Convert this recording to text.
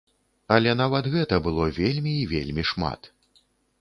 Але нават гэта было вельмі і вельмі шмат.